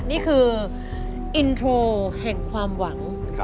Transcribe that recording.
นี่คืออินโทรแห่งความหวัง